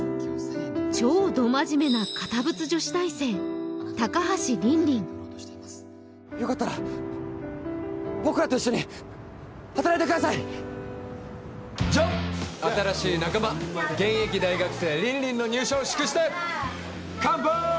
超ど真面目な堅物女子大生高橋凜々よかったら僕らと一緒に働いてくださいじゃあ新しい仲間現役大学生凜々の入社を祝してカンパーイ！